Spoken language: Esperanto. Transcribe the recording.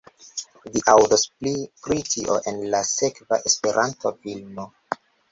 Vi aŭdos pli pri tio en la sekva Esperanto-filmo